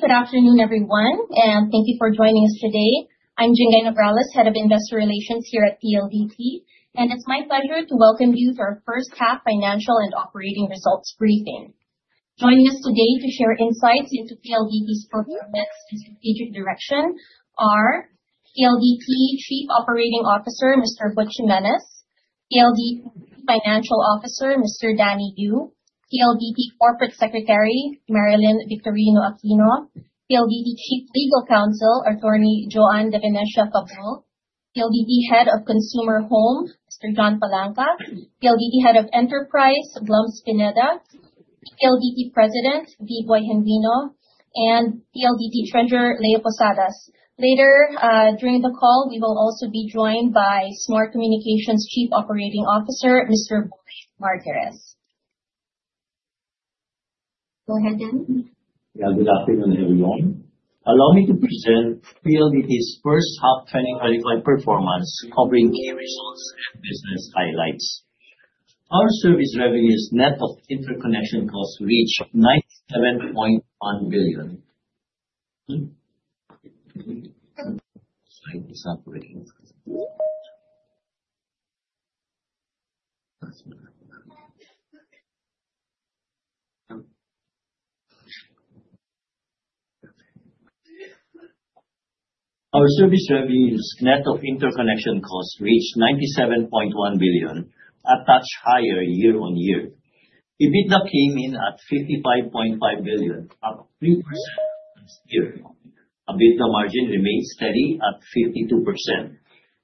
Good afternoon, everyone, and thank you for joining us today. I’m Jane Basas, Head of Investor Relations here at PLDT, and it’s my pleasure to welcome you to our first-half financial and operating results briefing. Joining us today to share insights into PLDT’s performance and strategic direction are PLDT Chief Operating Officer Mr. Butch Jimenez Jr.; PLDT Chief Financial Officer Mr. Danny Yu; PLDT Corporate Secretary Marilyn Victorio-Aquino; PLDT Chief Legal Counsel Attorney Joan de Venecia Cabral; PLDT Head of Consumer Homes John Gregory Palanca; PLDT Head of Enterprise Blums Pineda; PLDT President Manuel V. Pangilinan; and PLDT Treasurer Leo Posadas. Later during the call, we’ll also be joined by Smart Communications Chief Operating Officer, Boy Martirez. Go ahead, Danny. Good afternoon, everyone. Allow me to present PLDT’s first-half 2024 performance, covering key results and business highlights. Our service revenues, net of interconnection costs, reached ₱97.1 billion — slightly higher year on year. EBITDA came in at ₱55.5 billion, up 3% from last year, with an EBITDA margin steady at 52%.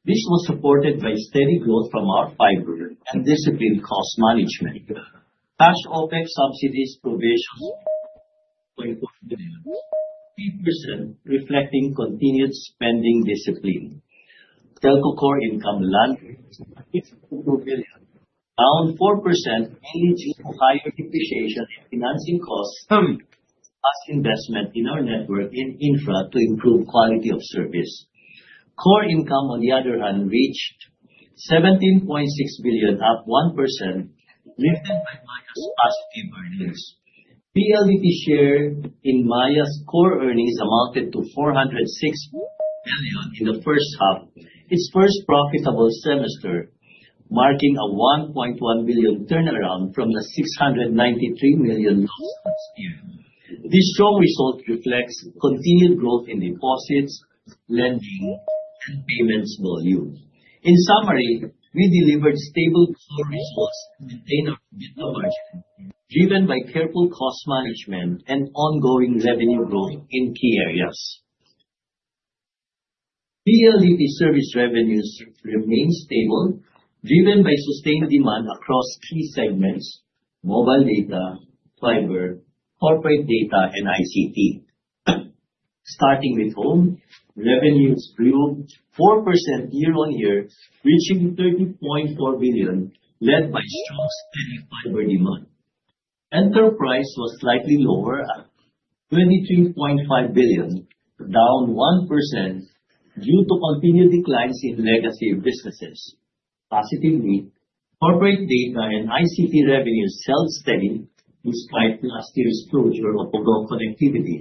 This was supported by sustained fiber growth and disciplined cost management. Cash OPEX subsidies were provisioned at ₱5 billion, reflecting continued spending discipline. Telco core income landed at ₱6.2 billion, down 4%, due to higher financing costs from ongoing investments in network and infrastructure to improve service quality. Meanwhile, consolidated core income reached ₱17.6 billion, up 1%, lifted by Maya’s positive earnings. PLDT’s share in Maya’s core earnings amounted to ₱406 million in the first half its first profitable semester marking a ₱1.1 billion turnaround from the ₱693 million loss last year. This strong result reflects continued growth in deposits, and payments volume. In summary, we delivered stable core results and maintained our EBITDA margin through careful cost management and ongoing revenue growth in key segments. PLDT’s service revenues remain stable, driven by sustained demand across mobile data, fiber, corporate data, and ICT. Starting with Home, revenues grew 4% year on year to ₱30.4 billion, supported by strong fiber demand. Enterprise revenues were slightly lower at ₱23.5 billion, down 1%, due to continued declines in legacy businesses. However, corporate data and ICT revenues held steady despite last year’s closure of legacy connectivity.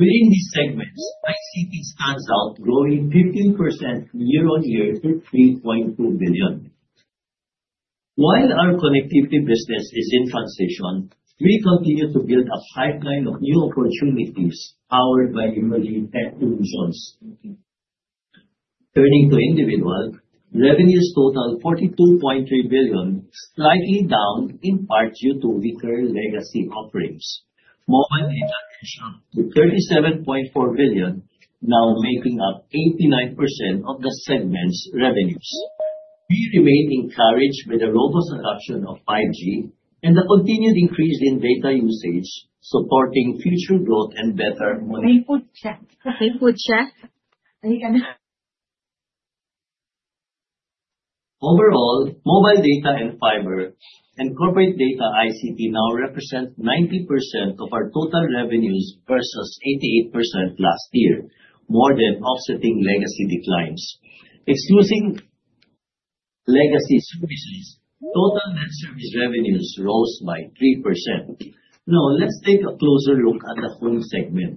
Within these segments, ICT stood out with 15% year-on-year growth, reaching ₱13.2 billion. While our connectivity business remains in transition, we continue to build a strong pipeline of new opportunities powered by emerging technology solutions. Turning to individual, revenues total ₱42.3 billion, slightly lower, partly due to declines in recurring legacy offerings. Mobile data reached ₱37.4 billion, now accounting for 89% of the segment’s revenues. We remain encouraged by the robust adoption of 5G and the continued increase in data usage, which support future growth and help manage churn. Overall, mobile data, fiber, and corporate data ICT now represent 90% of our total revenues versus 88% last year more than offsetting legacy declines. Excluding legacy services, total net service revenues rose 3%. Now, let’s take a closer look at the Home segment.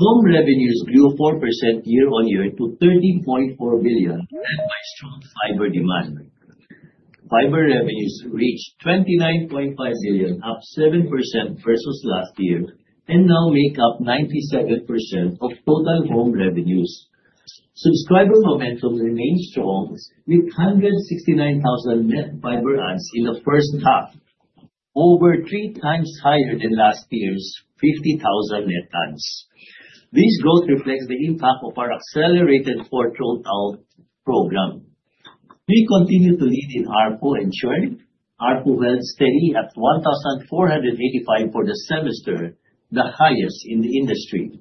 Home revenues grew 4% year on year to ₱13.4 billion, driven by strong fiber demand. Fiber revenues reached ₱29.5 billion, up 7% from last year, and now make up 97% of total Home revenues. Subscriber momentum remains strong with 169,000 net fiber additions in the first half, over three times higher than last year’s 50,000 net adds. This growth reflects the impact of our accelerated fiber rollout program. We continue to lead in ARPU and churn. ARPU held steady at ₱1,485 for the semester the highest in the industry.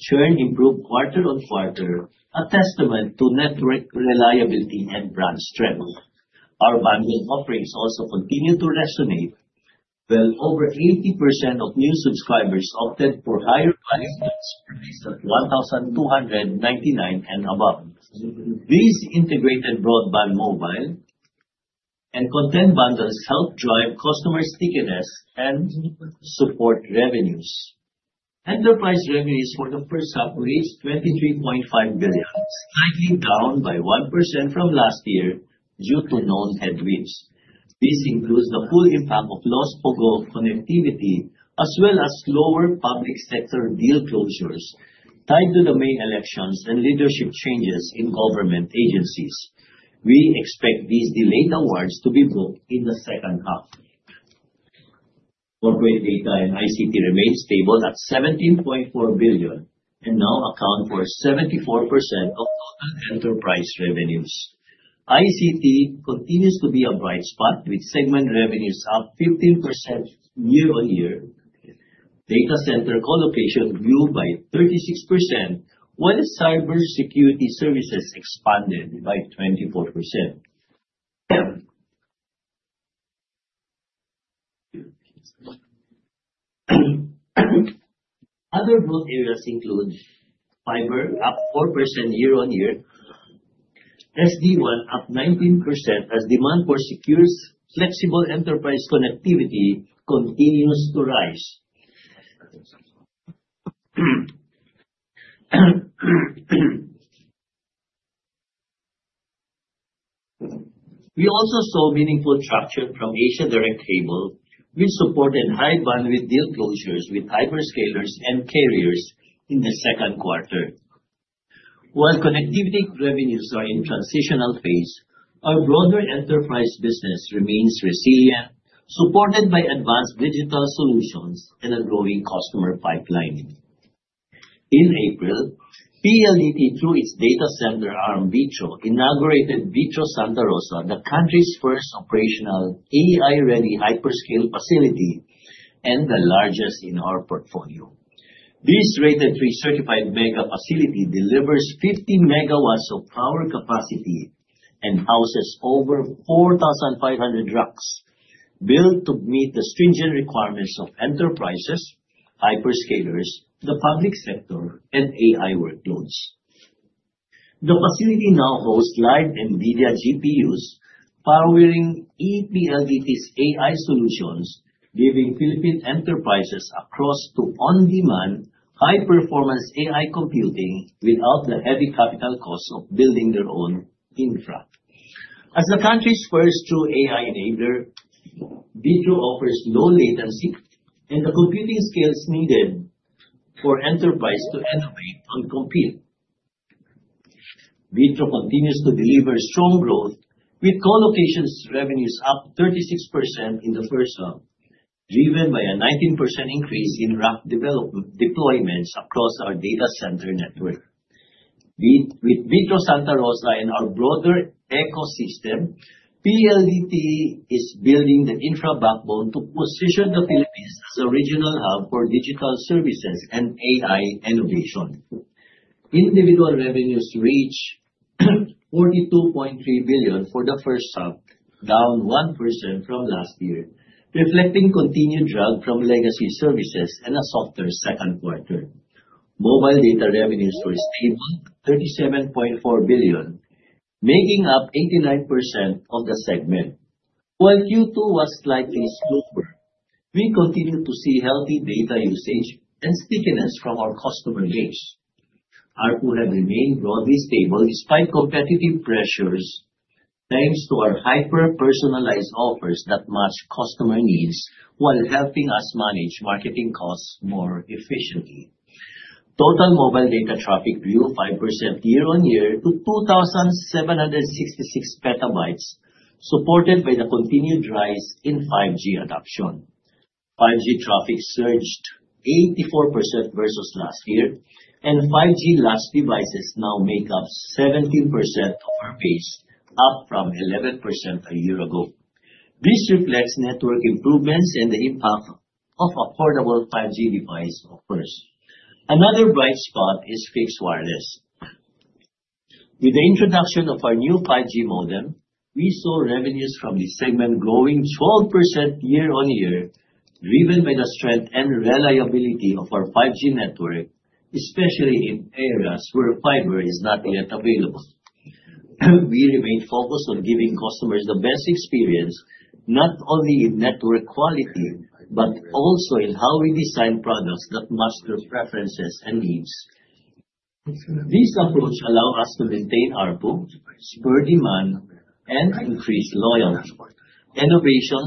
Churn improved quarter-on-quarter, a testament to our network reliability and brand strength. Our bundling offerings also continue to resonate, with over 80% of new subscribers opting for higher-priced plans at ₱1,299 and above. These integrated broadband, mobile, and content bundles help drive customer loyalty and support revenues. Enterprise revenues for the first half reached ₱23.5 billion, slightly down by 1% from last year due to known headwinds. This includes the full impact of loss of connectivity, as well as slower public sector deal closures tied to the May elections and leadership changes in government agencies. We expect these delayed awards to be brought in the second half. Corporate data and ICT remain stable at ₱17.4 billion and now account for 74% of all enterprise revenues. ICT continues to be a bright spot, with segment revenues up 15% year-on-year. Data center colocation grew by 36%, while cybersecurity services expanded by 24%. Other growth areas include fiber, up 4% year-on-year, and SD-WAN up 19%, as demand for secure and flexible enterprise connectivity continues to rise. We also saw meaningful traction from Asia Direct Cable, which supported high-bandwidth deal closures with hyperscalers and carriers in the second quarter. While connectivity revenues are in a transitional phase, our broader enterprise business remains resilient supported by advanced digital solutions and a growing customer pipeline. In April, PLDT through its data center arm Vitro inaugurated Vitro Santa Rosa the country’s first operational AI-ready hyperscale facility and the largest in our portfolio. This rated pre-certified mega facility delivers 50 megawatts of power capacity and houses over 4,500 racks, built to meet the stringent requirements of enterprises, hyperscales, the public sector, and AI workloads. The facility now hosts live NVIDIA GPUs powering ePLDT’s AI solutions, giving Philippine enterprises access to on-demand, high-performance AI computing without the heavy capital costs of building their own infrastructure. As the country’s first true AI enabler, Vitro offers low latency and the computing power needed for enterprises to innovate and compete. Vitro continues to deliver strong growth, with colocation revenues up 36% in the first half driven by a 19% increase in rack deployments across our data center network. With Vitro Santa Rosa and our broader ecosystem, PLDT is building an infrastructure backbone to position the Philippines as a regional hub for digital services and AI innovation. Individual revenues reached ₱42.3 billion for the first half, down 1% from last year, reflecting continued drag from legacy services and a softer second quarter. Mobile data revenues sustained ₱37.4 billion, making up 89% of the segment. While Q2 was slightly slower, we continue to see healthy data usage and loyalty from our customer base. ARPU has remained broadly stable despite competitive pressures, thanks to our hyper-personalized offers that match customer needs while helping us manage marketing costs efficiently. Total mobile data traffic grew 5% year-on-year to 2,766 petabytes, supported by the continued rise in 5G adoption. 5G traffic surged 84% versus last year, and 5G-enabled devices now make up 17% of our base, up from 11% a year ago. This reflects network improvements and the impact of affordable 5G device offers. Another bright spot is fixed wireless. With the introduction of our new 5G modem, we saw revenues from this segment grow 12% year-on-year, driven by the strength and reliability of our 5G network, especially in areas where fiber is not yet available. We remain focused on giving customers the best experience not only in network quality but also in how we design products that match their preferences and needs. This approach allows us to maintain ARPU, drive demand, and increase loyalty. Innovation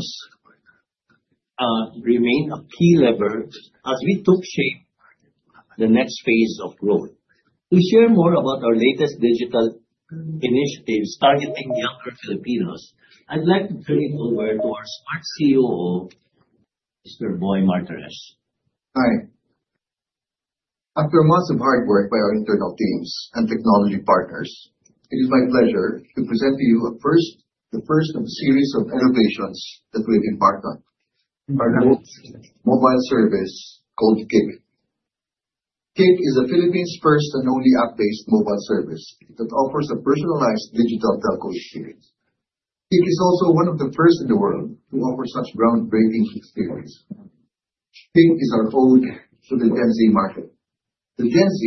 remains a key lever as we shape the next phase of growth. To share more about our latest digital initiatives targeting younger Filipinos, I'd like to turn it over to our Smart COO, Mr. Boy Martirez. Hi. After months of hard work by our internal teams and technology partners, it is my pleasure to present to you the first in a series of innovations we’ve embarked on our new mobile service called TIM. TIM is the Philippines’ first and only app-based mobile service that offers a personalized digital telco experience. It’s also one of the first in the world to deliver such a groundbreaking experience. TIM is our code for the Gen Z market. Gen Z,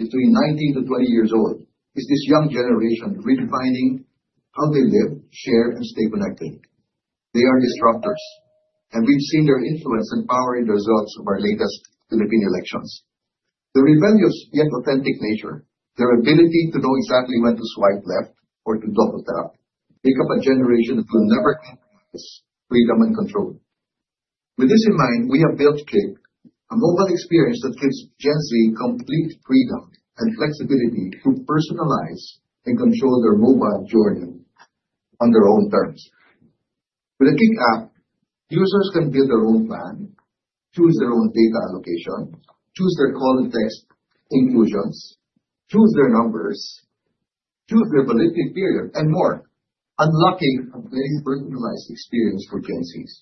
between 19 and 20 years old, represents a young generation redefining how they live, share, and stay connected. They are disruptors, and we’ve seen their influence and power reflected in the results of the recent Philippine elections. Their rebellious yet authentic nature and their ability to know exactly when to swipe left or double tap make up a generation that will never compromise freedom and control. With this in mind, we have built TIM, a mobile experience that gives Gen Z complete freedom and flexibility to personalize and control their mobile journey on their own terms. With a TIM app, users can build their own plan, choose their own data allocation, call or text inclusions, choose their numbers, choose their birthday period, and more, unlocking a very personalized experience for Gen Zs.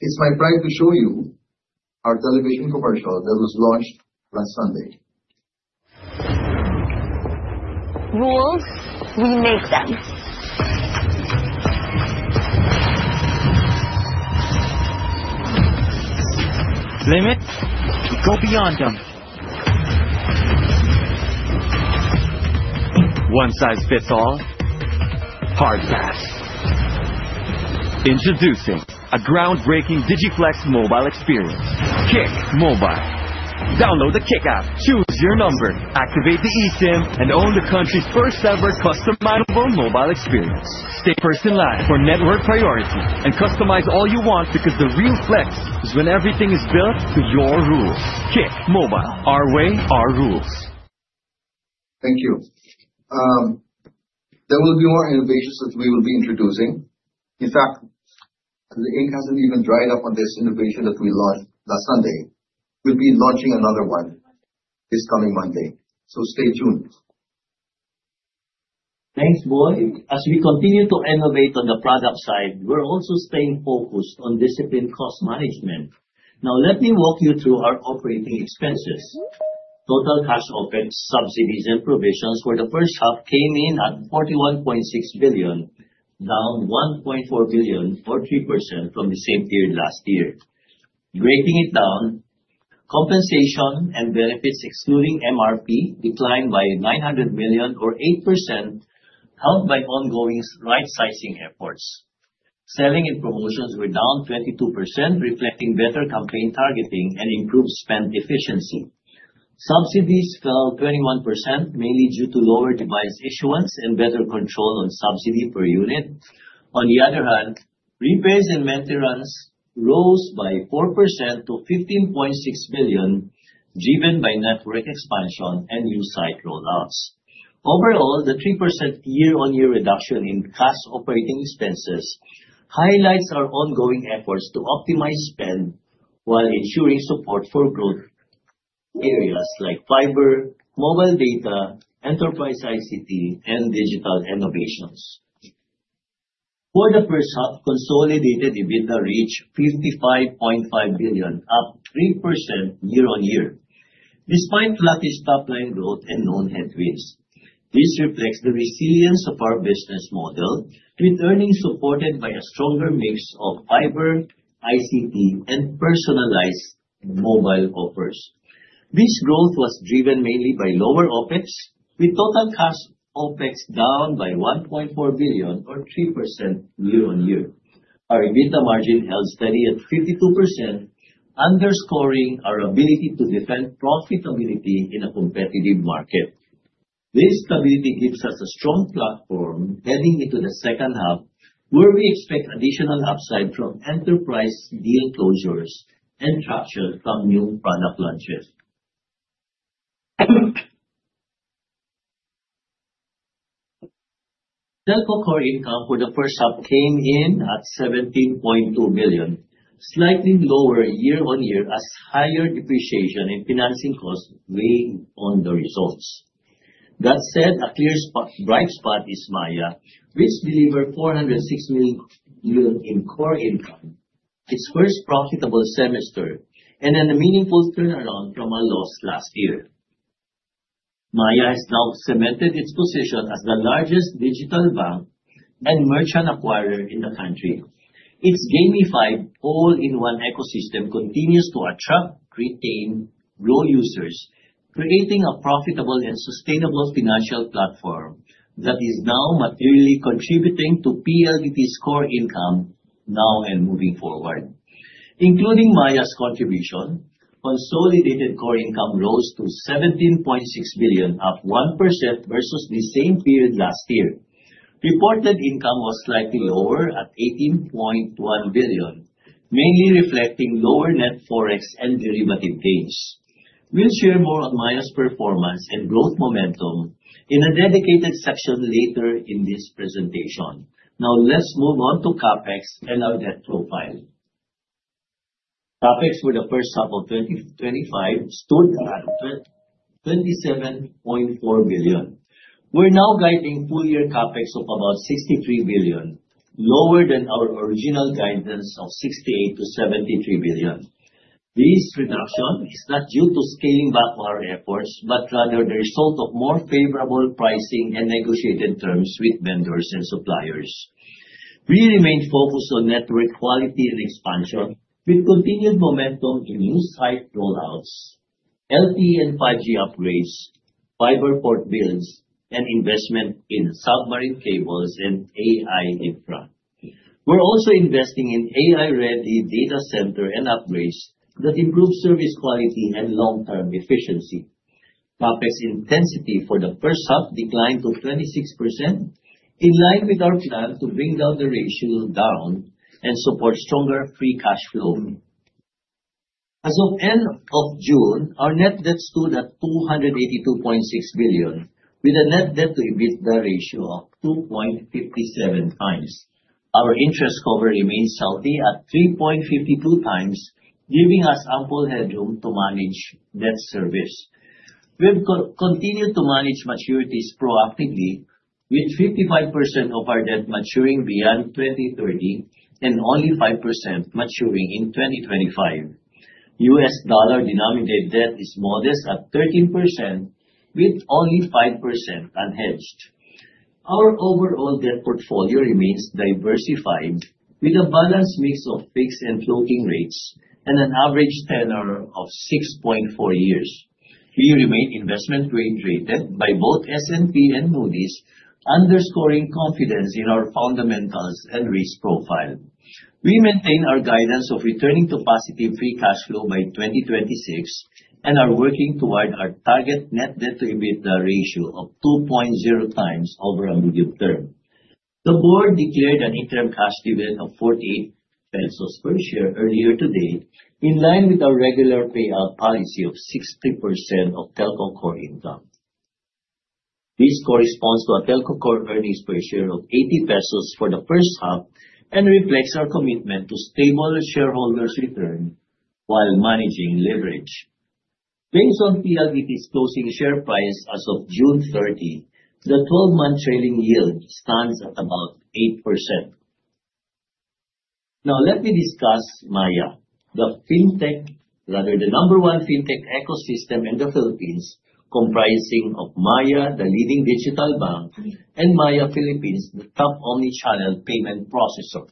It's my pride to show you our television commercial that was launched last Sunday. Rule, we make them. Limits, go beyond them. One size fits all, hard pass. Introducing a groundbreaking Digiflex mobile experience, Kick to Mobile. Download the Kick app, choose your number, activate the eSIM, and own the country's first-ever custom-mileful mobile experience. Stay personalized for network priority and customize all you want, because the real flex is when everything is built to your rules. Kick to Mobile, our way, our rules. There will be more innovations that we’ll be introducing. In fact, the ink hasn’t even dried on the innovation we launched last Sunday, and we’ll already be launching another one this coming Monday. Stay tuned.. Thanks, Boy. As we continue to innovate on the product side, we're also staying focused on disciplined cost management. Now, let me walk you through our operating expenses. Total cash OPEX, subsidies, and provisions for the first half came in at ₱41.6 billion, down ₱1.4 billion or 3% from the same period last year. Breaking it down, compensation and benefits, excluding MRP, declined by ₱900 million or 8%, helped by ongoing right-sizing efforts. Selling and promotions were down 22%, reflecting better campaign targeting and improved spend efficiency. Subsidies fell 21%, mainly due to lower device issuance and better control on subsidy per unit. ...On the other hand, repairs and maintenance rose by 4% to ₱15.6 billion, driven by network expansion and new site rollouts. Overall, the 3% year-on-year reduction in cash operating expenses highlights our ongoing efforts to optimize spend while ensuring support for growth areas like fiber, mobile data, enterprise ICT, and digital innovations. For the first half, consolidated EBITDA reached ₱55.5 billion, up 3% year on year, despite lack of top-line growth and known headwinds. This reflects the resilience of our business model, with earnings supported by a stronger mix of fiber, ICT, and personalized mobile offers. This growth was driven mainly by lower OPEX, with total cash OPEX down by ₱1.4 billion or 3% year on year. Our EBITDA margin held steady at 52%, underscoring our ability to defend profitability in a competitive market. This stability gives us a strong platform heading into the second half, where we expect additional upside from enterprise deal closures and traction from new product launches. Telco core income for the first half came in at ₱17.2 billion, slightly lower year on year as higher depreciation and financing costs weighed on the results. That said, a clear bright spot is Maya, which delivered ₱406 million in core income its first profitable semester and a meaningful turnaround from a loss last year. Maya has now cemented its position as the largest digital bank and merchant acquirer in the country. Its gamified all-in-one ecosystem continues to attract, retain, and grow users, creating a profitable and sustainable financial platform that is now materially contributing to PLDT's core income moving forward. Including Maya's contribution, consolidated core income rose to ₱17.6 billion, up 1% versus the same period last year. Reported income was slightly lower at ₱18.1 billion, mainly reflecting lower net forex and derivative gains. We'll share more on Maya's performance and growth momentum in a dedicated section later in this presentation. Now, let's move on to CAPEX and our net profile. CAPEX for the first half of 2024 stood at ₱27.4 billion. We're now guiding full-year CAPEX of about ₱63 billion, lower than our original guidance of ₱68 to ₱73 billion. This reduction is not due to scaling back our efforts but rather the result of more favorable pricing and negotiated terms with vendors and suppliers. We remain focused on network quality and expansion, with continued momentum in new site rollouts, LTE and 5G upgrades, fiber port builds, and investments in submarine cables and AI infrastructure. We're also investing in AI-ready data centers and upgrades that improve service quality and long-term efficiency. CAPEX intensity for the first half declined to 26%, in line with our plan to bring down the ratio and support stronger free cash flow. As of the end of June, our net debt stood at $282.6 billion, with a net debt/EBITDA ratio of 2.57 times. Our interest cover remains healthy at 3.52 times, giving us ample headroom to manage debt service. We have continued to manage maturities proactively, with 55% of our debt maturing beyond 2030 and only 5% maturing in 2025. US dollar denominated debt is modest at 13%, with only 5% unhedged. Our overall debt portfolio remains diversified, with a balanced mix of fixed and floating rates and an average tenor of 6.4 years. We remain investment-grade rated by both S&P and Moody's, underscoring confidence in our fundamentals and risk profile. We maintain our guidance of returning to positive free cash flow by 2026 and are working toward our target net debt-to-EBITDA ratio of 2.0x over the medium term. The Board declared an interim cash dividend of ₱48 per share earlier today, in line with our regular payout policy of 60% of telco core income. This corresponds to a telco core earnings per share of ₱80 for the first half and reflects our commitment to stable shareholder returns while managing leverage. Based on PLDT’s closing share price as of June 30, the 12-month trailing yield stands at about 8%. Now, let me discuss Maya, the number one fintech ecosystem in the Philippines, comprising Maya Bank, the leading digital bank, and Maya Philippines, the top omnichannel payment processor.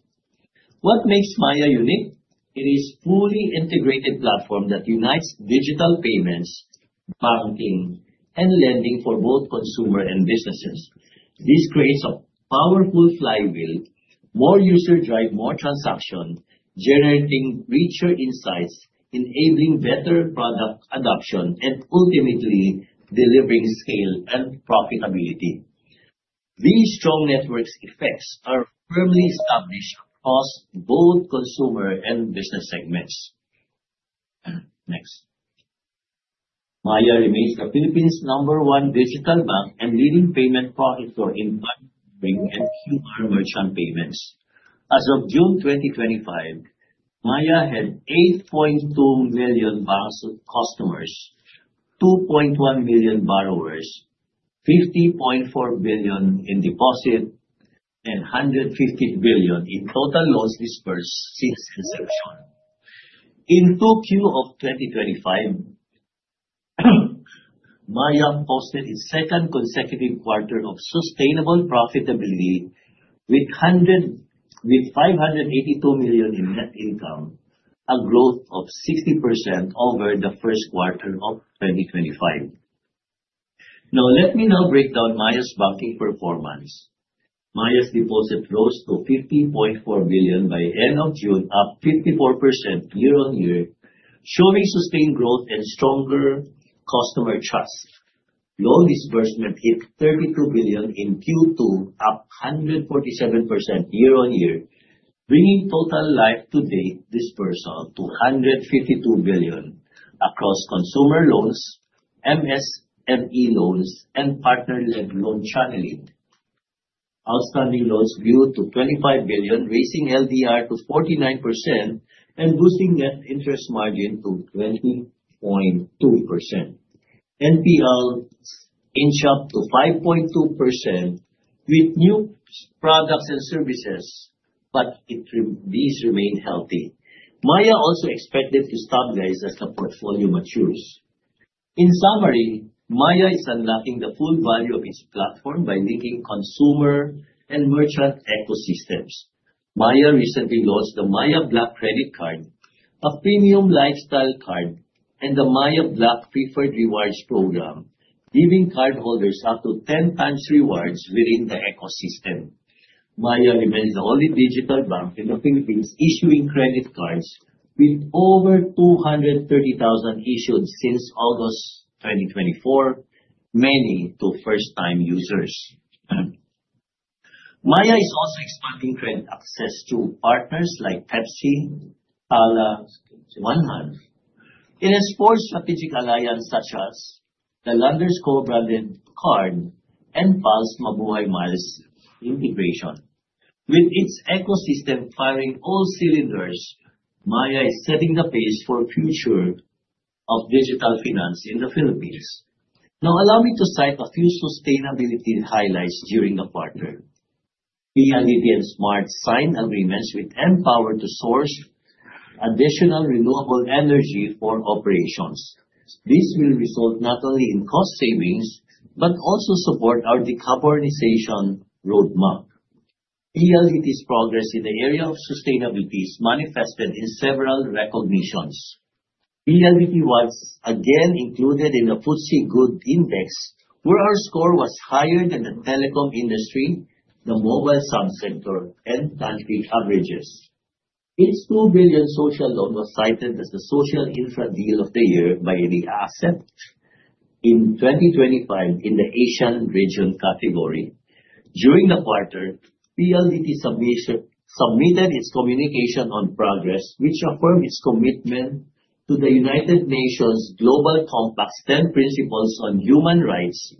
fully integrated platform uniting digital payments, banking, and lending for both consumers and businesses. This creates a powerful flywheel: more users drive more transactions, generating richer insights, enabling better product adoption, and ultimately delivering scale and profitability. These strong network effects are firmly established across both consumer and business segments. Maya remains the Philippines’ number one digital bank and leading payment provider for inbound merchant QR (MQR) payments. As of June 2025, Maya had 8.2 million banking customers, 2.1 million borrowers, ₱50.4 billion in deposits, and ₱150 billion in total loans disbursed since inception. In Q2 2025, Maya posted its second consecutive quarter of sustainable profitability, with ₱582 million in net income, a 60% growth over the first quarter of 2025. Maya's deposits rose to ₱50.4 billion by the end of June, up 54% year on year, showing sustained growth and stronger customer trust. Loan disbursements hit ₱32 billion in Q2, up 147% year on year, bringing total life-to-date disbursements to ₱152 billion across consumer loans, MSME loans, and partner-led loan channels. Outstanding loans grew to ₱25 billion, raising the loan-to-deposit ratio to 49% and boosting the net interest margin to 20.2%. NPLs inched up to 5.2% with new products and services, but these remain healthy. Maya also expects this to stabilize as the portfolio matures. In summary, Maya is unlocking the full value of its platform by linking consumer and merchant ecosystems. Maya recently launched the Maya Black Credit Card, a premium lifestyle card, and the Maya Black Preferred Rewards Program, giving cardholders up to 10x rewards within the ecosystem. Maya remains the only digital bank in the Philippines issuing credit cards, with over 230,000 cards issued since August 2024, many to first-time users. Maya is also expanding credit access to partners like Pepsi, Tanga, and One Land, and has forged strategic alliances such as the Landers Co-brand Card and PAL Mabuhay Miles integration. With its ecosystem firing on all cylinders, Maya is setting the pace for the future of digital finance in the Philippines. Now, allow me to cite a few sustainability highlights during the quarter. PLDT Inc. and Smart Communications signed agreements with Empower to source additional renewable energy for operations. This will not only result in cost savings but also support our decarbonization roadmap. PLDT’s progress in sustainability continues to be recognized through multiple industry accolades. PLDT was again included in the FTSE Good Index, where our score was higher than the telecom industry, the mobile subsector, and country averages. Its $2 billion social loan was cited as the Social Infrastructure Deal of the Year by the ASEP in 2025 under the Asian Region category. During the quarter, PLDT submitted its communication on progress, reaffirming its commitment to the United Nations Global Compact's 10 Principles on Human Rights,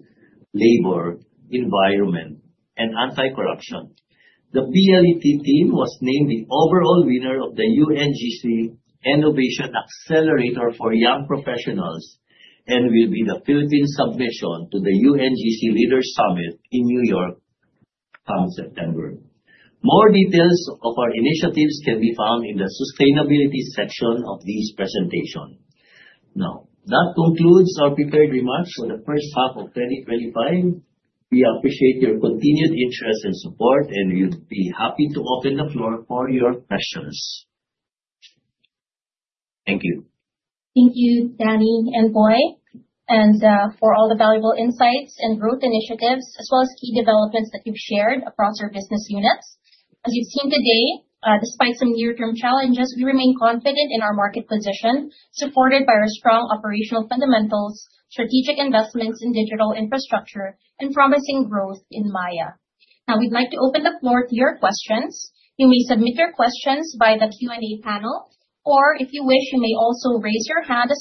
Labor, Environment, and Anti-Corruption. The PLDT team was named the overall winner of the UNGC Innovation Accelerator for Young Professionals and will be the Philippines' representative at the UNGC Leaders Summit in New York this September. More details of our initiatives can be found in the sustainability section of this presentation. That concludes our prepared remarks for the first half of 2025. We appreciate your continued interest and support, and we'll be happy to open the floor for your questions. Thank you. Thank you, Danny and Boy, for all the valuable insights, growth initiatives, and key developments you've shared across our business units. As you've seen today, despite some near-term challenges, we remain confident in our market position, supported by our strong operational fundamentals, strategic investments in digital infrastructure, and promising growth in Maya. Now, we'd like to open the floor to your questions. You may submit your questions through the Q&A panel or, if you wish, raise your hand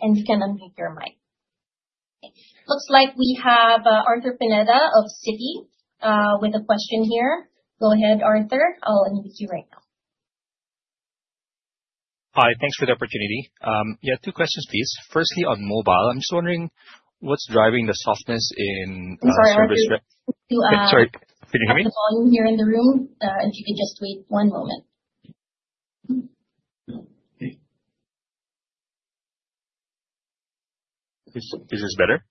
and unmute your mic. Looks like we have Arthur Pineda of Citigroup Inc. with a question. Go ahead, Arthur I'll unmute you now. Hi. Thanks for the opportunity. Yeah, two questions, please. Firstly, on mobile, I'm just wondering what's driving the softness in. I'm sorry, Arthur. Sorry, can you hear me? The volume here in the room. If you can just wait one moment. Is this better?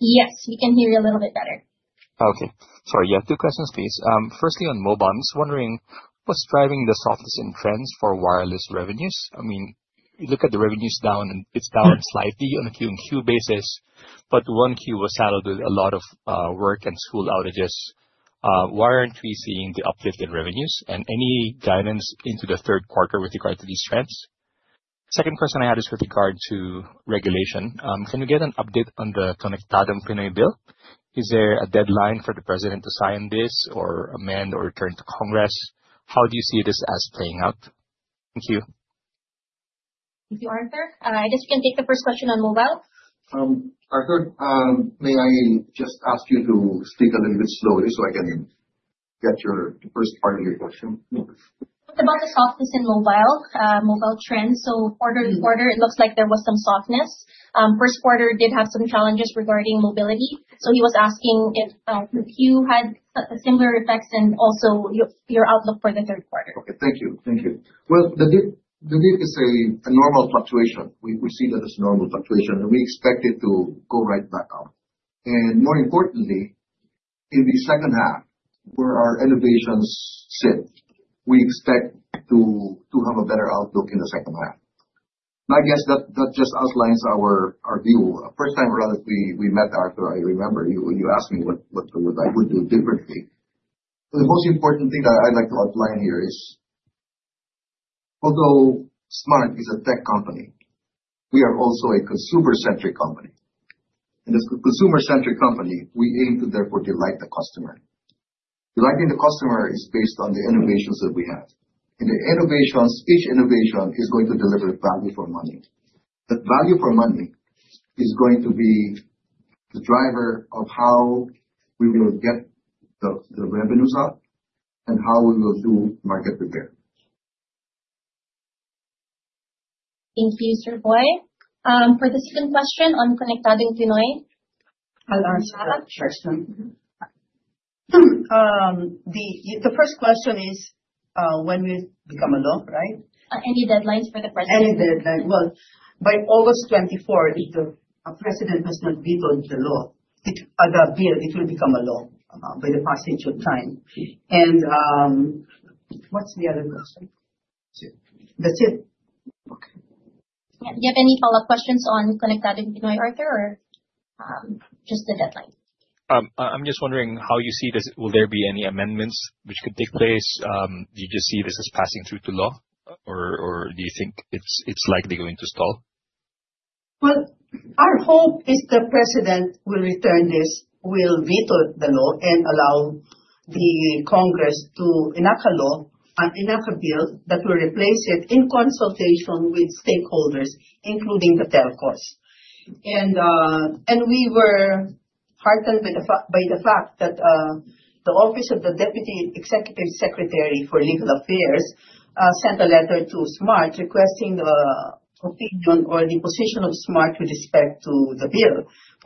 Yes, we can hear you a little bit better. Okay. Sorry. Yeah, two questions, please. Firstly, on mobile, I’m just wondering what’s driving the softness in trends for wireless revenues. I mean, if you look at the revenues, they’re down slightly on a few-quarter basis, but one quarter was affected by a lot of work and school outages. Why aren’t we seeing an uplift in revenues, and is there any guidance into the third quarter regarding these trends? The second question I have is about regulation. Can we get an update on the Connectathon Pinedale? Is there a deadline for the president to sign, amend, or return it to Congress? How do you see this playing out? Thank you. Thank you, Arthur. I guess we can take the first question on mobile. Arthur, may I just ask you to speak a little bit slowly so I can get your first part of your question? It's about the softness in mobile trends. Quarter to quarter, it looks like there was some softness. First quarter did have some challenges regarding mobility. He was asking if you had a similar effect and also your outlook for the third quarter. Thank you. Thank you. The grid is a normal fluctuation. We perceive it as such, and we expect it to go right back up. More importantly, in the second half, where our innovations sit, we expect to have a better outlook. I guess that outlines our view. The first time we met, Arthur, I remember you asked me what I would do differently. The most important thing I’d like to emphasize here is that although Smart Communications is a tech company, we are also a consumer-centric company. In a consumer-centric company, our goal is to delight the customer and that comes from the innovations we bring. Each innovation is designed to deliver value for money. The value for money is going to be the driver of how we will get the revenues up and how we will do market prepared. Thank you, sir. Boy, for the second question on Blums Pineda. I'll ask that first one. The first question is when you become a law, right? Any deadlines for the question? By August 24, if the president does not veto the bill, it will become a law by the passage of time. What's the other question? That's it. Do you have any follow-up questions on Blums Pineda, Arthur Pineda, or just the deadline? I'm just wondering how you see this. Will there be any amendments which could take place? Do you just see this as passing through to law, or do you think it's likely going to stall? Our hope is that the President will return this, will veto the law, and allow Congress to enact a bill that will replace it in consultation with stakeholders, including the telcos. We were heartened by the fact that the Office of the Deputy Executive Secretary for Legal Affairs sent a letter to Smart requesting an opinion on Smart’s position regarding the bill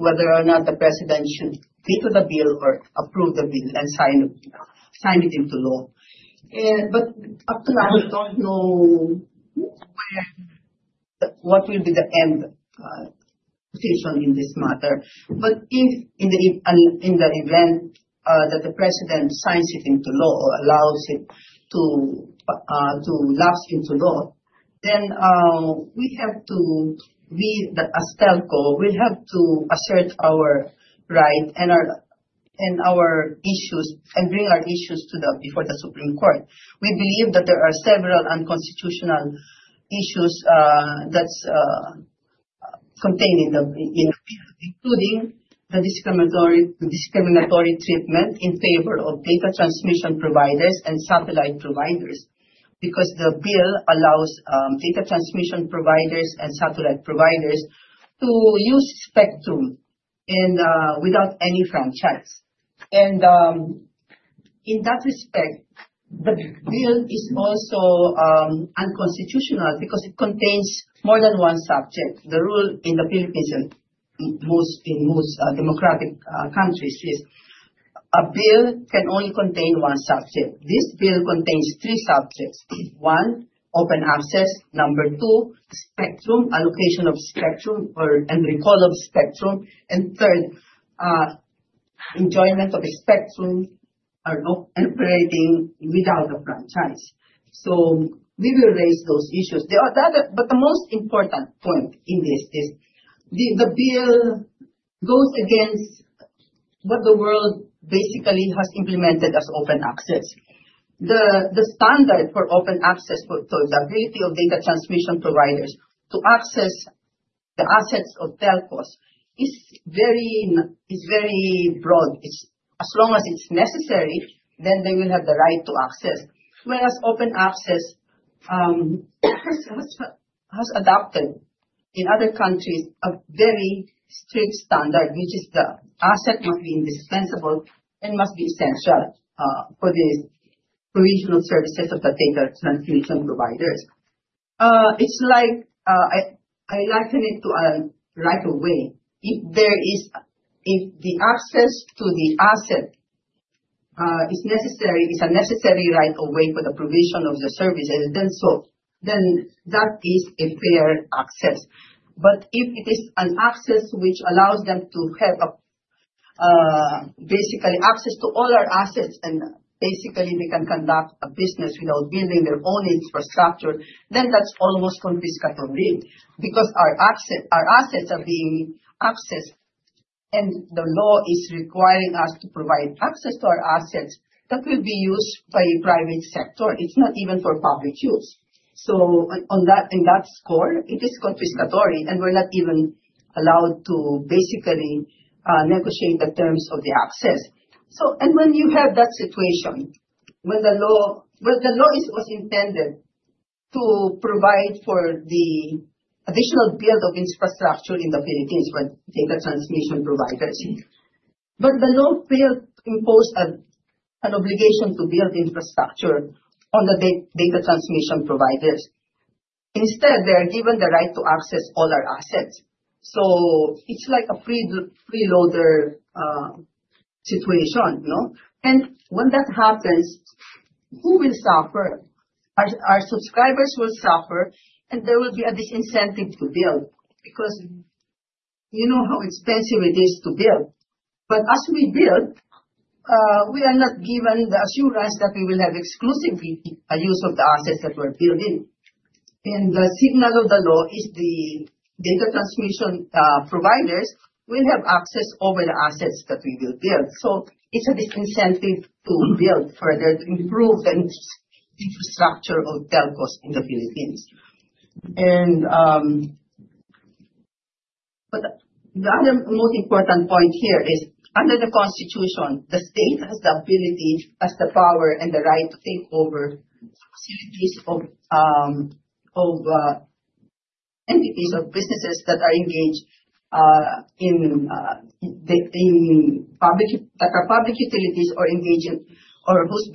whether or not the President should veto it or approve and sign it into law. Arthur, I would not know what the final outcome will be. If the President signs it into law or allows it to lapse into law, then we, as a telco, will have to assert our rights and bring our issues before the Supreme Court. We believe that there are several unconstitutional issues that are contained in them, including the discriminatory treatment in favor of data transmission providers and satellite providers, because the bill allows data transmission providers and satellite providers to use Spectrum without any franchise. In that respect, the bill is also unconstitutional because it contains more than one subject. The rule in the Philippines, in most democratic countries, is a bill can only contain one subject. This bill contains three subjects: one, open access; number two, Spectrum, allocation of Spectrum and recall of Spectrum; and third, enjoyment of Spectrum operating without a franchise. We will raise those issues. The most important point in this is the bill goes against what the world basically has implemented as open access. The standard for open access, for the ability of data transmission providers to access the assets of telcos, is very broad. As long as it's necessary, then they will have the right to access. Whereas open access as adopted in other countries has a very strict standard, which is the asset must be indispensable and must be essential for the provision of services of the data transmission providers. I liken it to a right-of-way. If the access to the asset is necessary, it's a necessary right-of-way for the provision of the services, and then that is a fair access. If it is an access which allows them to have basically access to all our assets and basically we can conduct a business without building their own infrastructure, then that's almost confiscatory because our assets are being accessed, and the law is requiring us to provide access to our assets that will be used by the private sector. It's not even for public use. On that score, it is confiscatory, and we're not even allowed to basically negotiate the terms of the access. When you have that situation, when the law was intended to provide for the additional build of infrastructure in the Philippines for data transmission providers, but the law failed to impose an obligation to build infrastructure on the data transmission providers. Instead, they are given the right to access all our assets. It's like a freeloader situation, no. When that happens, who will suffer? Our subscribers will suffer, and there will be a disincentive to build because you know how expensive it is to build. As we build, we are not given the assurance that we will have exclusively a use of the assets that we're building. The signal of the law is the data transmission providers will have access over the assets that we will build. It's a disincentive to build further and improve the infrastructure of telcos in the Philippines. Another important point is that under the Constitution, the state has the ability, power, and right to take over entities or businesses engaged in public utilities or those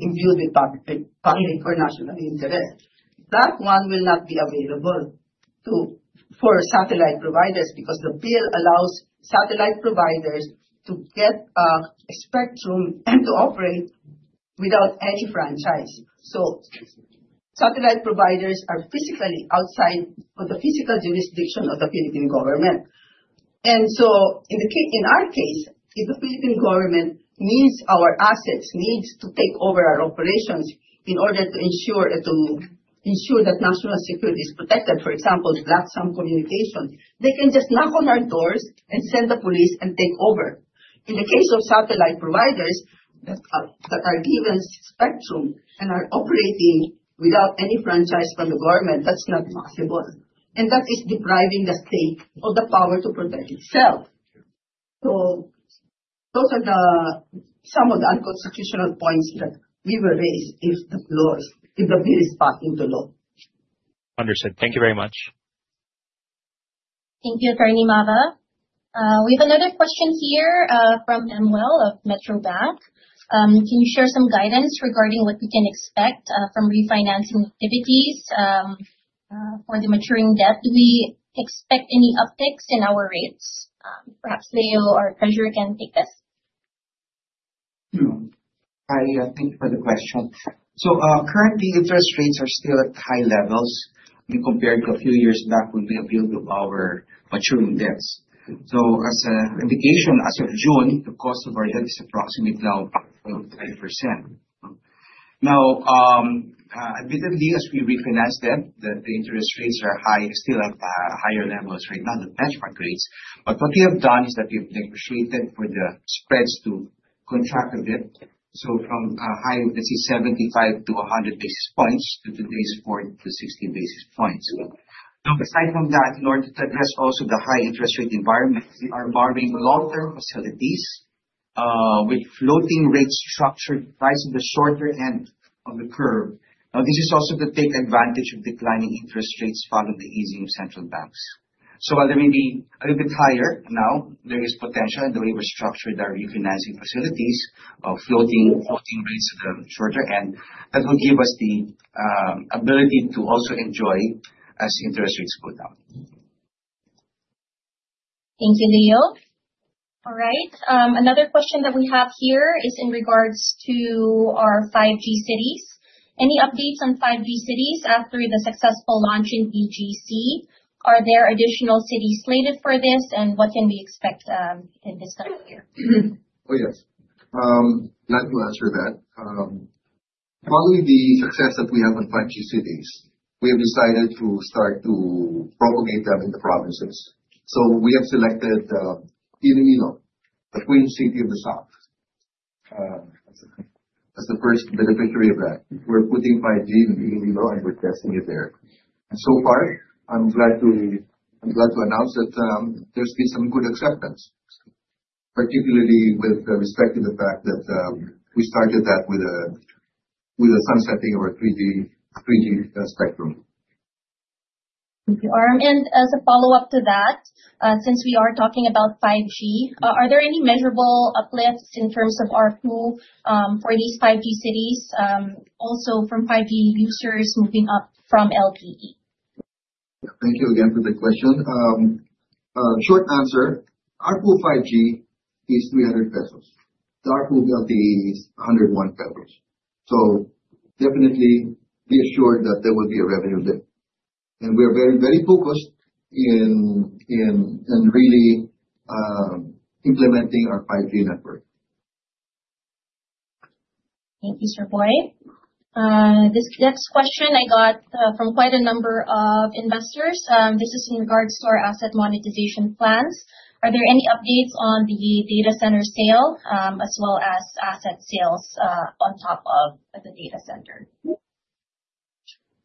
imbued with public or national interest. That authority will not apply to satellite providers because the bill allows them to obtain Spectrum and operate without a franchise. Satellite providers are physically outside the jurisdiction of the Philippine government. In our case, if the government needs our assets or needs to take over our operations to ensure national security for example, in the case of blacked-out communications they can simply knock on our doors, send authorities, and take over. In the case of satellite providers that are given Spectrum and are operating without any franchise from the government, that's not possible. That is depriving the state of the power to protect itself. Those are some of the unconstitutional points that we will raise if the bill is passed into law. Understood. Thank you very much. Thank you, Attorney. We have another question here from M. Well of Metro Bath. Can you share some guidance regarding what we can expect from refinancing activities for the maturing debt? Do we expect any upticks in our rates? Perhaps Leo or Treasurer can take this. Danny, thank you for the question. Currently, interest rates remain at high levels compared to a few years back when we refinanced our maturing debts. As an indication, the cost of our debt is now approximately 30%. Admittedly, as we refinance, rates are still higher than benchmark levels. However, we’ve negotiated to narrow the spreads from a high of 75–100 basis points to around 40–60 basis points today. Given the high interest rate environment, we’ve also structured our long-term borrowing facilities with floating rates priced at the shorter end of the curve. This allows us to take advantage of potential rate declines once central banks begin easing. While they may be a little bit higher now, there is potential in the way we're structured our refinancing facilities of floating rates to the shorter end that will give us the ability to also enjoy as interest rates go down. Thank you, Leo. All right. Another question that we have here is in regards to our 5G cities. Any updates on 5G cities after the successful launch in Bonifacio Global City? Are there additional cities slated for this, and what can we expect in this time of year? Oh, yes. That was for that. Following the success that we have on 5G cities, we have decided to start to propagate that in the provinces. We have selected Iloilo, the Queen City of the South, as the first beneficiary of that. We're putting 5G in Iloilo, and we're testing it there. So far, I'm glad to announce that there's been some good acceptance, particularly with respect to the fact that we started that with a sunsetting of our 3G spectrum. Thank you. As a follow-up to that, since we are talking about 5G, are there any measurable uplifts in terms of ARPU for these 5G cities, also from 5G users moving up from LTE? Thank you again for the question. Short answer, ARPU 5G is $300. The ARPU LTE is $100 with coverage. Definitely be assured that there will be a revenue there. We are very focused in really implementing our 5G network. Thank you, sir. Boy. This next question I got from quite a number of investors. This is in regards to our asset monetization plans. Are there any updates on the data center sale, as well as asset sales on top of the data center?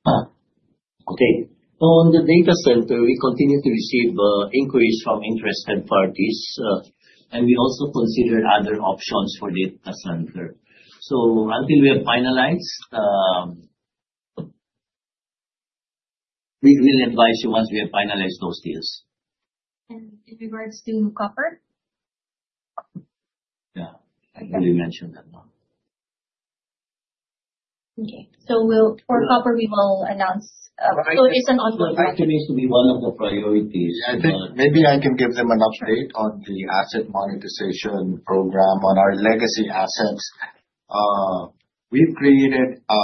Okay. On the data center, we continue to receive increased interest from parties, and we also considered other options for the data center. Until we have finalized, we will advise you once we have finalized those deals. In regards to copper? Yeah, I can really mention that. Okay. For copper, we will announce a floor as an option. It needs to be one of the priorities. Maybe I can give them an update on the asset monetization program on our legacy assets. We've created a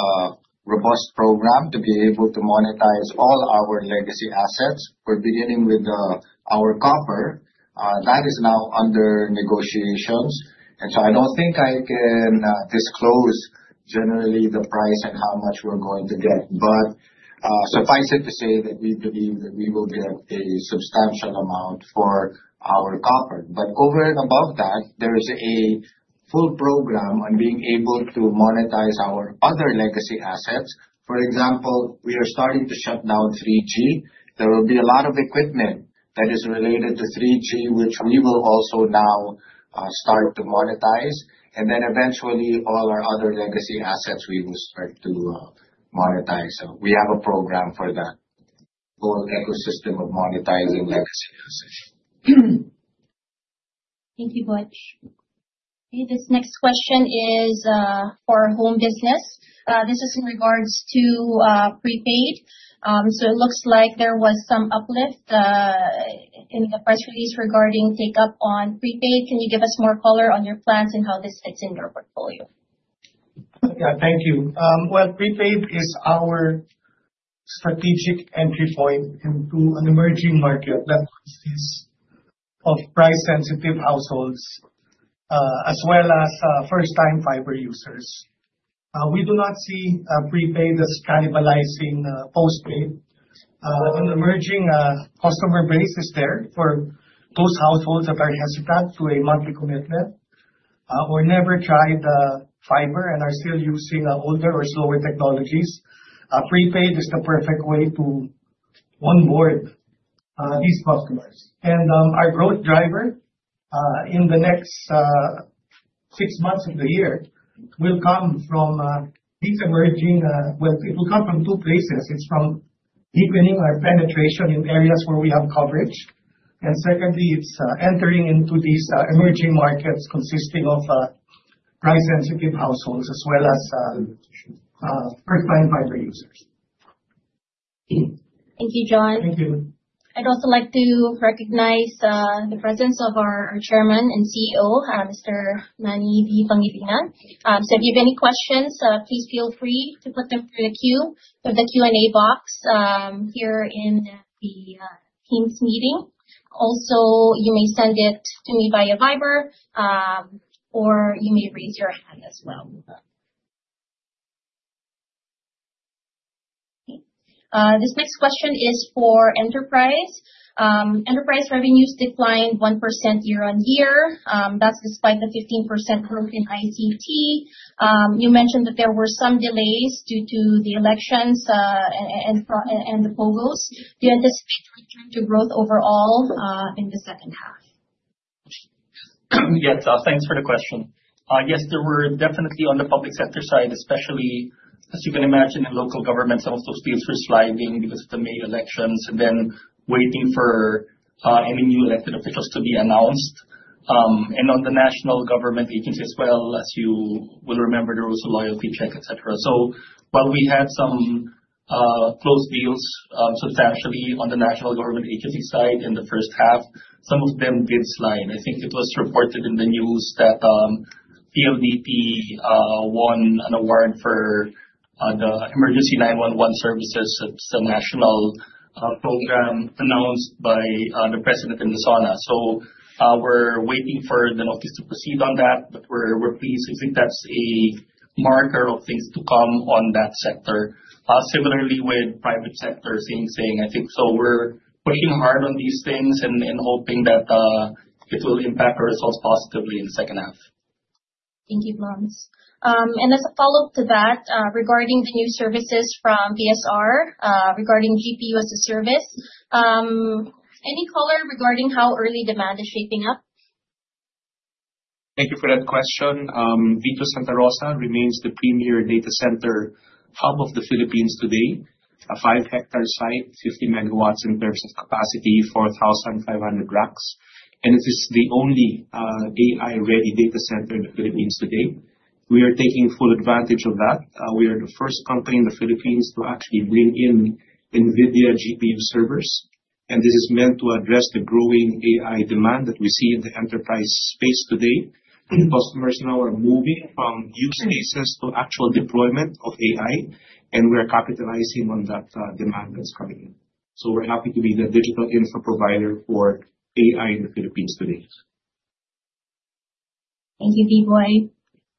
robust program to be able to monetize all our legacy assets, beginning with our copper. That is now under negotiations. I don't think I can disclose generally the price and how much we're going to get. Suffice it to say that we believe that we will get a substantial amount for our copper. Over and above that, there is a full program on being able to monetize our other legacy assets. For example, we are starting to shut down 3G. There will be a lot of equipment that is related to 3G, which we will also now start to monetize. Eventually, all our other legacy assets, we will start to monetize. We have a program for that whole ecosystem of monetizing legacy assets. Thank you, Boy. Okay. This next question is for our Home business. This is in regards to prepaid. It looks like there was some uplift in the press release regarding take-up on prepaid. Can you give us more color on your plans and how this fits in your portfolio? Thank you. Prepaid is our strategic entry point into an emerging market that is of price-sensitive households, as well as first-time fiber users. We do not see prepaid as cannibalizing postpaid. An emerging customer base is there for those households that are hesitant to a monthly commitment or never tried the fiber and are still using older or slower technologies. Prepaid is the perfect way to onboard these customers. Our growth driver in the next six months of the year will come from these emerging—well, it will come from two places. It's from deepening our penetration in areas where we have coverage, and it's entering into these emerging markets consisting of price-sensitive households, as well as first-time fiber users. Thank you, John Gregory Palanca. Thank you. I'd also like to recognize the presence of our Chairman and CEO, Mr. Manuel V. Pangilinan. If you have any questions, please feel free to put them in the queue in the Q&A box here in the King's meeting. You may also send it to me via Viber, or you may raise your hand as well. This next question is for Enterprise. Enterprise revenues declined 1% year on year. That's despite the 15% growth in ICT. You mentioned that there were some delays due to the elections and the POGOs. Did this contribute to growth overall in the second half? Yes. Thanks for the question. Yes, there were definitely, on the public sector side especially, as you can imagine, in local governments, some of those deals were sliding because of the May elections and waiting for any new elected officials to be announced. On the national government agencies as well, as you will remember, there was a loyalty check, etc. While we had some closed deals, substantially on the national government agency side in the first half, some of them did slide. I think it was reported in the news that PLDT Inc. won an award for the emergency 911 services, a national program announced by the president in Luzon. We're waiting for the notice to proceed on that. We're pleased. I think that's a marker of things to come on that sector. Similarly, with private sector things, I think, we're pushing hard on these things and hoping that it will impact the results positively in the second half. Thank you, Blums. As a follow-up to that, regarding the new services from Vitro Santa Rosa regarding GPU as a service, any color regarding how early demand is shaping up? Thank you for that question. Vitro Santa Rosa remains the premier data center hub of the Philippines today. A five-hectare site, 50 megawatts in terms of capacity, 4,500 racks. This is the only AI-ready data center in the Philippines today. We are taking full advantage of that. We are the first company in the Philippines to actually bring in NVIDIA GPU servers. This is meant to address the growing AI demand that we see in the enterprise space today. Customers now are moving from using access to actual deployment of AI, and we're capitalizing on that demand that's coming in. We're happy to be the digital infra provider for AI in the Philippines today. Thank you, B-Boy.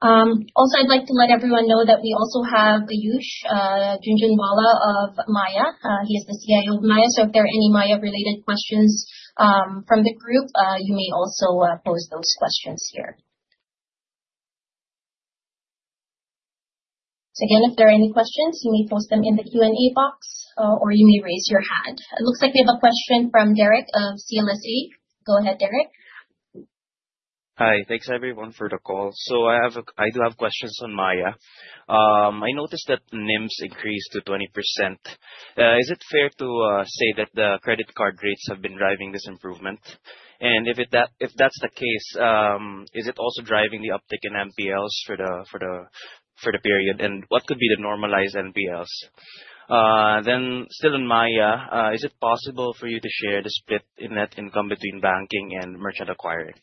Also, I'd like to let everyone know that we also have Aayush Jhunjhunwala of Maya. He is the CIO of Maya. If there are any Maya-related questions from the group, you may also pose those questions. Again, if there are any questions, you may post them in the Q&A box, or you may raise your hand. It looks like we have a question from Derek of CLSA. Go ahead, Derek. Hi. Thanks, everyone, for the call. I do have questions on Maya. I noticed that NIMS increased to 20%. Is it fair to say that the credit card rates have been driving this improvement? If that's the case, is it also driving the uptick in NPLs for the period? What could be the normalized NPLs? Still in Maya, is it possible for you to share the split in net income between banking and merchant acquiring?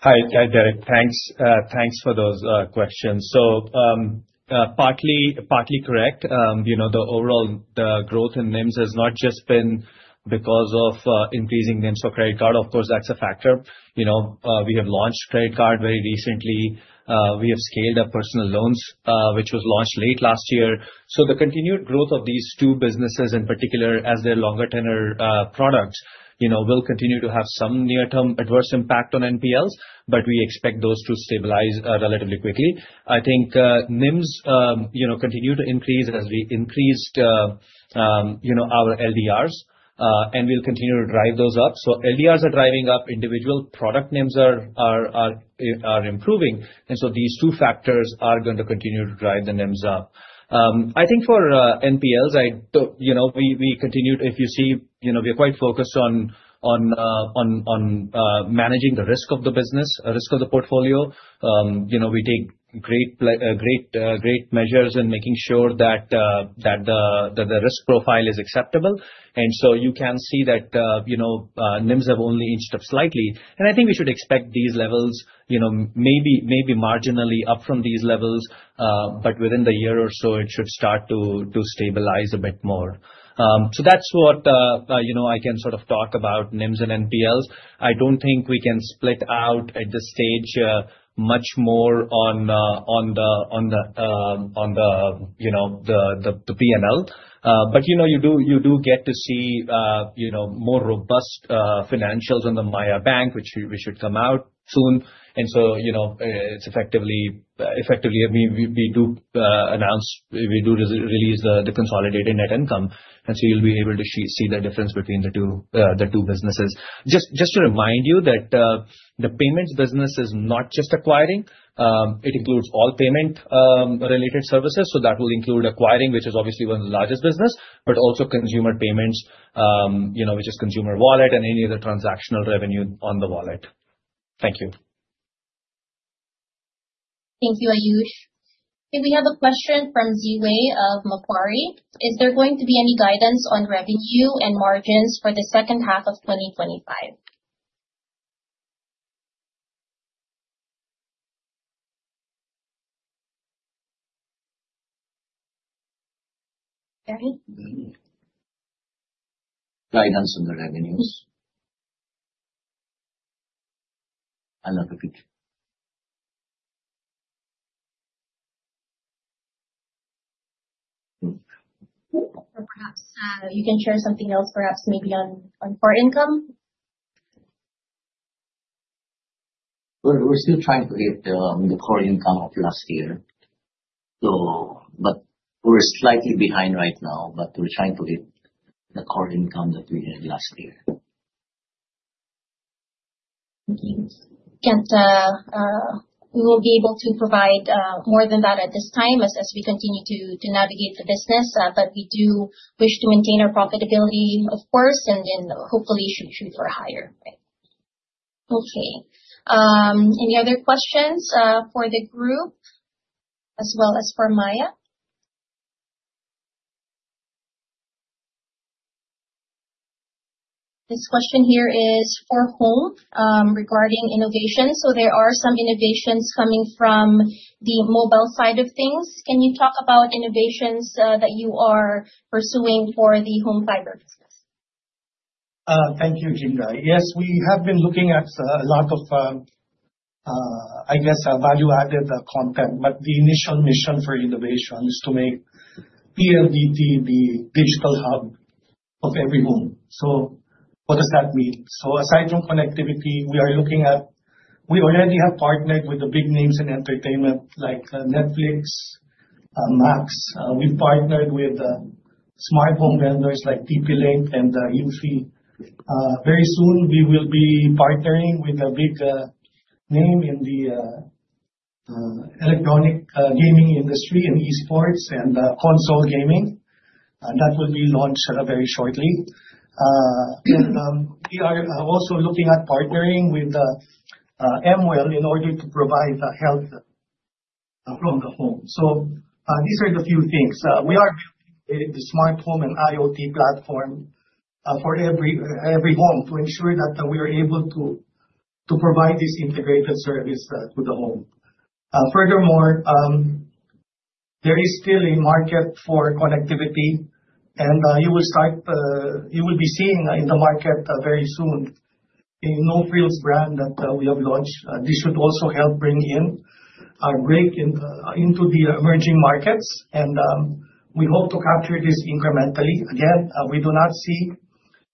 Hi. Hi, Derek. Thanks for those questions. Partly correct. The overall growth in NIMS has not just been because of increasing NIMS for credit card. Of course, that's a factor. We have launched credit card very recently. We have scaled up personal loans, which was launched late last year. The continued growth of these two businesses, in particular, as their longer tenor products, will continue to have some near-term adverse impact on NPLs, but we expect those to stabilize relatively quickly. I think NIMS continued to increase as we increased our LDRs, and we'll continue to drive those up. LDRs are driving up. Individual product NIMS are improving. These two factors are going to continue to drive the NIMS up. I think for NPLs, if you see, we are quite focused on managing the risk of the business, the risk of the portfolio. We take great measures in making sure that the risk profile is acceptable. You can see that NIMS have only inched up slightly. I think we should expect these levels, maybe marginally up from these levels, but within the year or so, it should start to stabilize a bit more. That's what I can sort of talk about NIMS and NPLs. I don't think we can split out at this stage much more on the P&L. You do get to see more robust financials on the Maya Bank, which should come out soon. It's effectively, we do announce, we do release the consolidated net income. You'll be able to see the difference between the two businesses. Just to remind you that the payments business is not just acquiring. It includes all payment-related services. That will include acquiring, which is obviously one of the largest businesses, but also consumer payments, which is consumer wallet and any other transactional revenue on the wallet. Thank you. Thank you, Aayush. We have a question from Ziwei of Mafari. Is there going to be any guidance on revenue and margins for the second half of 2025? Guidance on the revenues? I'm not aware. Perhaps you can share something else, maybe on core income? We're still trying to hit the core income of last year. We're slightly behind right now, but we're trying to hit the core income that we had last year. Thank you. We can't, we won't be able to provide more than that at this time as we continue to navigate the business. We do wish to maintain our profitability, of course, and then hopefully shoot for higher. Okay. Any other questions for the group as well as for Maya? This question here is for home regarding innovation. There are some innovations coming from the mobile side of things. Can you talk about innovations that you are pursuing for the home fiber business? Thank you, Jane. Yes, we have been looking at a lot of, I guess, value-added content. The initial mission for innovation is to make PLDT the digital hub of every home. What does that mean? Aside from connectivity, we are looking at, we already have partnered with the big names in entertainment like Netflix, Max. We've partnered with the smart home vendors like TP-Link and the UC. Very soon, we will be partnering with a big name in the electronic gaming industry and eSports and console gaming. That will be launched very shortly. We are also looking at partnering with MWell in order to provide the health from the home. These are the few things. We are creating the smart home and IoT platform for every home to ensure that we are able to provide this integrated service to the home. Furthermore, there is still a market for connectivity, and you will be seeing in the market very soon a no-frills brand that we have launched. This should also help bring in or break into the emerging markets. We hope to capture this incrementally. We do not see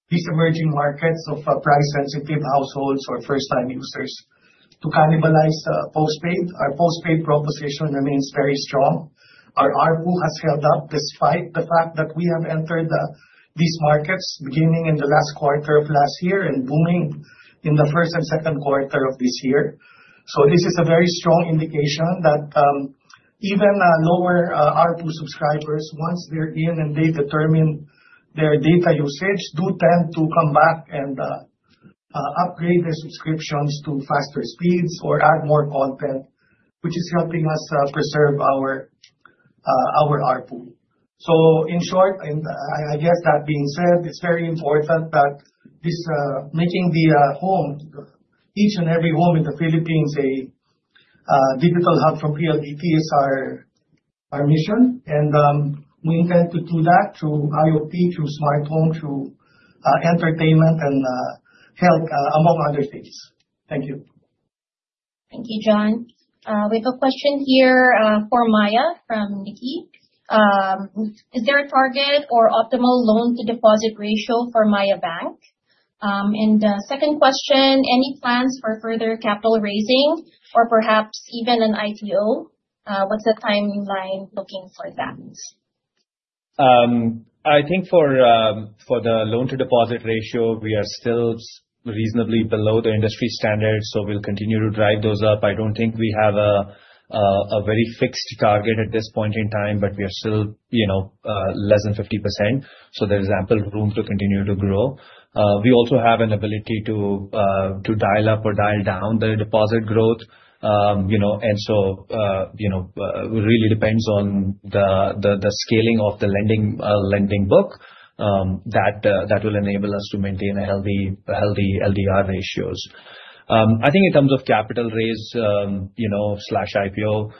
these emerging markets of price-sensitive households or first-time users to cannibalize postpaid. Our postpaid proposition remains very strong. Our ARPU has held up despite the fact that we have entered these markets beginning in the last quarter of last year and booming in the first and second quarter of this year. This is a very strong indication that even lower ARPU subscribers, once they're in and they determine their data usage, do tend to come back and upgrade their subscriptions to faster speeds or add more content, which is helping us preserve our ARPU. In short, it's very important that making the home, each and every home in the Philippines, a digital hub from PLDT is our mission. We intend to do that through IoT, through smart home, through entertainment, and health, among other things. Thank you. Thank you, John. We have a question here for Maya from Nikki. Is there a target or optimal loan-to-deposit ratio for Maya Bank? The second question, any plans for further capital raising or perhaps even an IPO? What's the timeline looking for that? I think for the loan-to-deposit ratio, we are still reasonably below the industry standards. We'll continue to drive those up. I don't think we have a very fixed target at this point in time, but we are still less than 50%. There's ample room to continue to grow. We also have an ability to dial up or dial down the deposit growth, and it really depends on the scaling of the lending book that will enable us to maintain healthy LDR ratios. I think in terms of capital raise or IPO,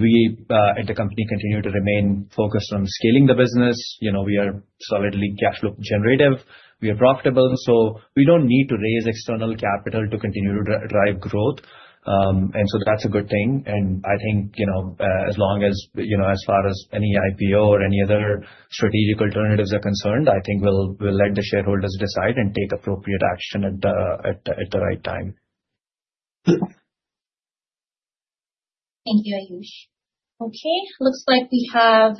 we at the company continue to remain focused on scaling the business. We are solidly cash-generative. We are profitable. We don't need to raise external capital to continue to drive growth. That's a good thing. I think as far as any IPO or any other strategic alternatives are concerned, we'll let the shareholders decide and take appropriate action at the right time. Thank you, Aayush. Okay. Looks like we have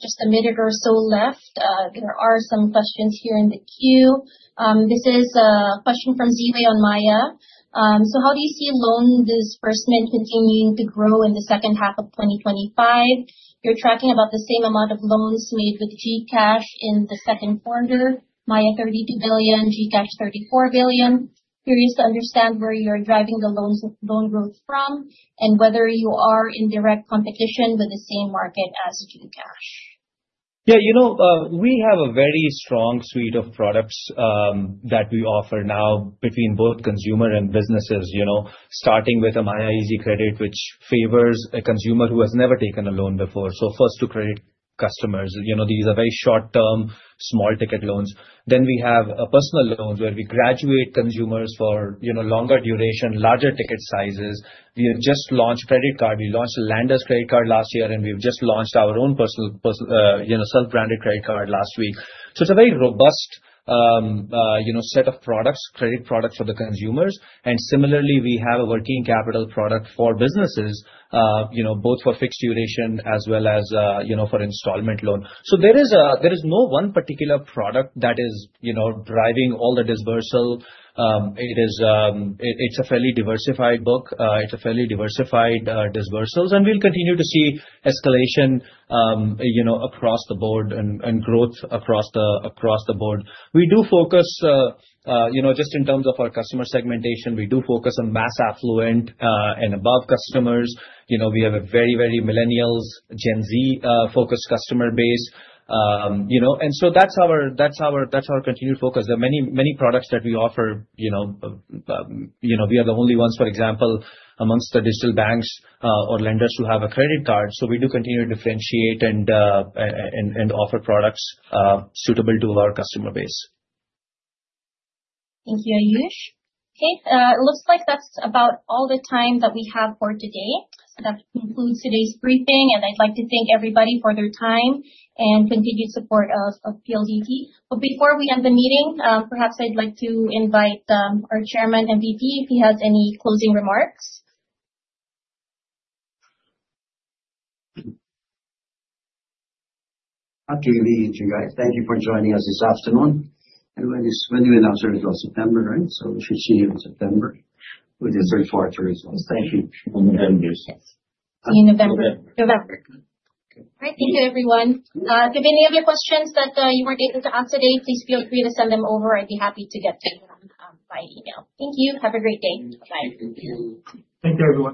just a minute or so left. There are some questions here in the queue. This is a question from Ziwei on Maya. How do you see loan disbursement continuing to grow in the second half of 2025? You're tracking about the same amount of loans made with GCash in the second quarter, Maya ₱32 billion, GCash ₱34 billion. Curious to understand where you're driving the loan growth from and whether you are in direct competition with the same market as GCash. Yeah, you know, we have a very strong suite of products that we offer now between both consumer and businesses, starting with a Maya Easy Credit, which favors a consumer who has never taken a loan before. First-to-credit customers, these are very short-term, small-ticket loans. Then we have personal loans where we graduate consumers for longer duration, larger ticket sizes. We have just launched a credit card. We launched a Landa's credit card last year, and we've just launched our own personal, self-branded credit card last week. It's a very robust set of products, credit products for the consumers. Similarly, we have a working capital product for businesses, both for fixed duration as well as for installment loan. There is no one particular product that is driving all the disbursal. It's a fairly diversified book. It's a fairly diversified disbursal. We'll continue to see escalation across the board and growth across the board. We do focus, just in terms of our customer segmentation, we do focus on mass affluent and above customers. We have a very, very millennials, Gen Z-focused customer base, and that's our continued focus. There are many, many products that we offer. We are the only ones, for example, amongst the digital banks or lenders who have a credit card. We do continue to differentiate and offer products suitable to our customer base. Thank you, Aayush. Okay. It looks like that's about all the time that we have for today. That concludes today's briefing. I'd like to thank everybody for their time and continued support of PLDT. Before we end the meeting, perhaps I'd like to invite our Chairman and VP if he has any closing remarks. I can lead, you guys. Thank you for joining us this afternoon. When you announced it, it was September, right? We should see you in September, which is very far away as well. Thank you. See you in November. All right. Thank you, everyone. If you have any other questions that you wanted to ask today, please feel free to send them over. I'd be happy to get them by email. Thank you. Have a great day. Bye. Take care, everyone.